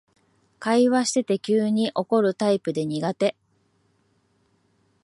会話してて急に怒るタイプで苦手